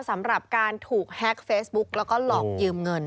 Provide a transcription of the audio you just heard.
สำหรับการถูกแฮ็กเฟซบุ๊กแล้วก็หลอกยืมเงิน